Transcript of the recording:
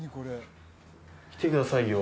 見てくださいよ